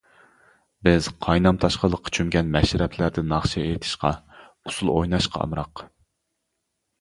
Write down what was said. بىز قاينام-تاشقىنلىققا چۆمگەن مەشرەپلەردە ناخشا ئېيتىشقا، ئۇسسۇل ئويناشقا ئامراق.